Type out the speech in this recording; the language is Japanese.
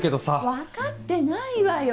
分かってないわよ。